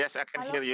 ya bisa dengar saya